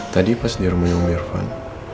tadi pas di rumahnya om irfan